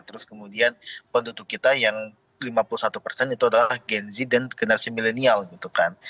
terus kemudian penduduk kita yang lima puluh satu persen itu adalah gen z dan generasi milenial gitu kan